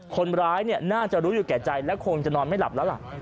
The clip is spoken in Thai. คนร้ายน่าจะรู้อยู่แก่ใจและคงจะนอนไม่หลับแล้วล่ะ